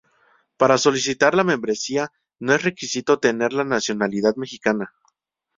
Para solicitar la membresía no es requisito tener la nacionalidad mexicana.